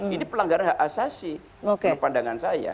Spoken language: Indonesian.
ini pelanggaran hak asasi pandangan saya